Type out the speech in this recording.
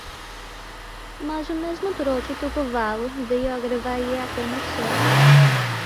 Mas o mesmo trote do cavalo veio agravar-lhe a comoção.